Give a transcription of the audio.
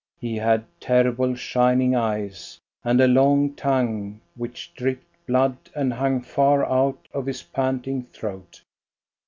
He had terrible, shining eyes, and a long tongue which dripped blood and hung far out of his panting throat.